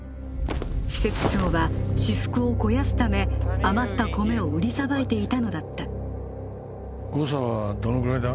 施設長は私腹を肥やすため余った米を売りさばいていたのだった誤差はどのぐらいだ？